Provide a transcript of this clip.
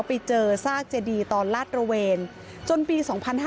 ไปเจอซากเจดีตอนลาดระเวนจนปี๒๕๕๙